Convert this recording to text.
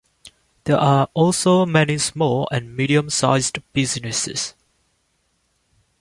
There are also many small and medium-sized businesses.